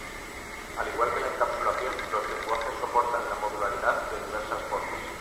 Al igual que la encapsulación, los lenguajes soportan la Modularidad de diversas formas.